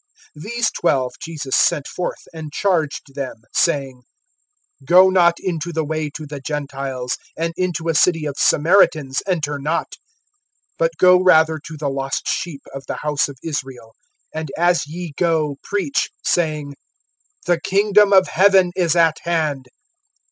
(5)These twelve Jesus sent forth, and charged them, saying: Go not into the way to the Gentiles, and into a city of Samaritans enter not. (6)But go rather to the lost sheep of the house of Israel. (7)And as ye go, preach, saying: The kingdom of heaven is at hand.